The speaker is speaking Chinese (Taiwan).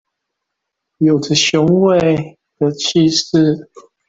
有著雄偉的氣勢